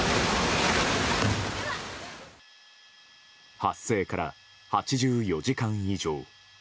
発生から８４時間以上。